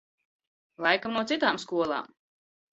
Laikam no citām skolām.